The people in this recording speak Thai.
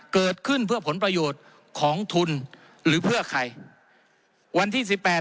เกิดขึ้นเพื่อผลประโยชน์ของทุนหรือเพื่อใครวันที่สิบแปด